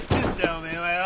おめえはよ。